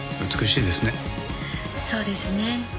そうですね。